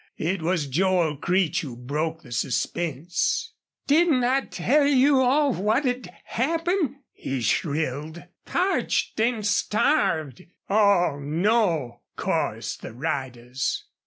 It was Joel Creech who broke the suspense. "Didn't I tell you all what'd happen?" he shrilled. "PARCHED AN' STARVED!" "Aw no!" chorused the riders.